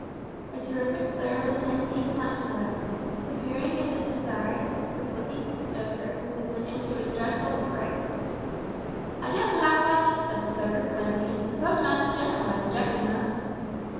A terrific glare of intense heat and light shot out, appearing as if desirous of licking the stoker and policeman into its dreadful embrace. "I don't half like it," said the stoker, glancing in; "the Postmaster General might object, you know."